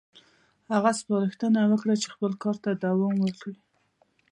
هغه سپارښتنه وکړه چې خپل کار ته دوام ورکړي.